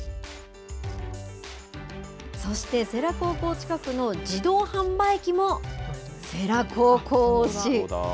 そして世羅高校近くの自動販売機も世羅高校推し。